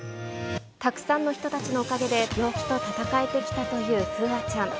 たくさんの人たちのおかげで、病気と闘えてきたという楓空ちゃん。